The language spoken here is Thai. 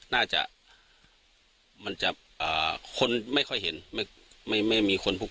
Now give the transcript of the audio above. น่าจะมันจะอ่าคนไม่ค่อยเห็นไม่ไม่มีคนพวก